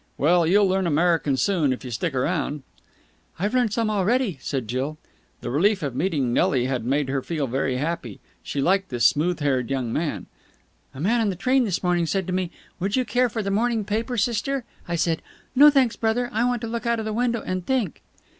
Well, you'll learn American soon, if you stick around." "I've learned some already," said Jill. The relief of meeting Nelly had made her feel very happy. She liked this smooth haired young man. "A man on the train this morning said to me, 'Would you care for the morning paper, sister?' I said, 'No, thanks, brother, I want to look out of the window and think!'"